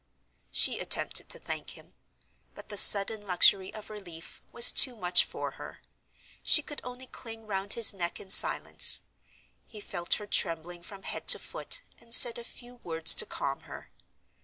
She attempted to thank him; but the sudden luxury of relief was too much for her. She could only cling round his neck in silence. He felt her trembling from head to foot, and said a few words to calm her.